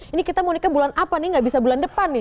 ini kita mau nikah bulan apa nih gak bisa bulan depan nih